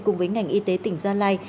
cùng với ngành y tế tỉnh gia lai